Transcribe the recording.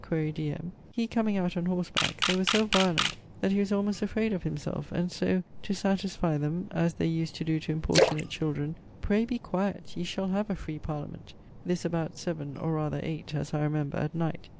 (quaere diem) he comeing out on horseback, they were so violent that he was almost afrayd of himselfe, and so, to satisfie them (as they use to doe to importunate children), Pray be quiet, yee shall have a free Parliament. This about 7, or rather 8 as I remember at night.